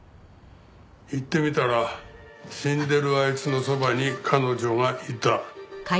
行ってみたら死んでるあいつのそばに彼女がいた。